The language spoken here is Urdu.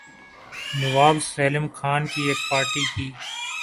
نواب سیلم خان کی ایک پارٹی کی